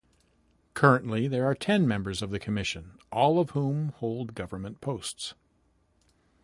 Currently there are ten members of the Commission, all of whom hold government posts.